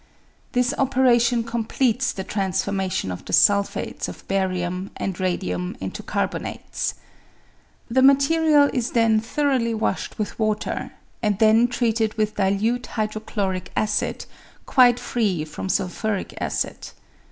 This operation completes the transformation of the sulphates of barium and radium into carbonates. The material is then thoroughly washed with water, and then treated with dilute hydrochloric acid, quite free from sulphuric acid.